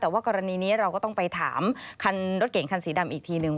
แต่ว่ากรณีนี้เราก็ต้องไปถามคันรถเก่งคันสีดำอีกทีนึง